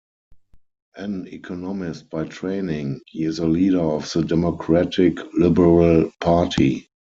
An economist by training, he is a leader of the Democratic-Liberal Party.